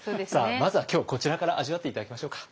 まずは今日こちらから味わって頂きましょうか。